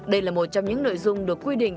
đây là một trong những nội dung được quy định